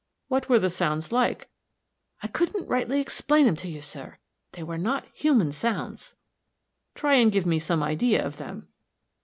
"What were the sounds like?" "I couldn't rightly explain 'em to you, sir. They were not human sounds." "Try and give me some idea of them."